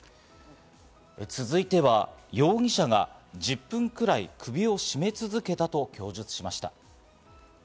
続いては、容疑者が１０分くらい首を絞め続けたと供述しました。